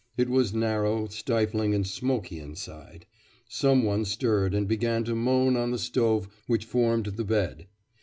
It was narrow, stifling, and smoky inside. Some one stirred and began to moan on the stove which formed the bed.